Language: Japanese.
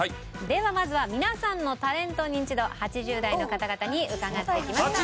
ではまずは皆さんのタレントニンチド８０代の方々に伺ってきました。